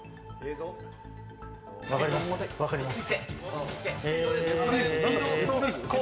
分かります、分かります。